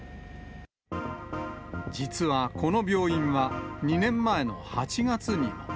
実はこの病院は、２年前の８月にも。